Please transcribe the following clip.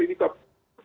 ini kok pisah